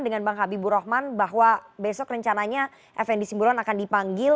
dengan bang habibur rahman bahwa besok rencananya fnd simbolon akan dipanggil